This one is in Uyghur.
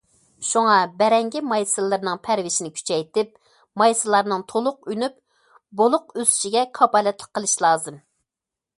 شۇڭا بەرەڭگى مايسىلىرىنىڭ پەرۋىشىنى كۈچەيتىپ، مايسىلارنىڭ تولۇق ئۈنۈپ، بولۇق ئۆسۈشىگە كاپالەتلىك قىلىش لازىم.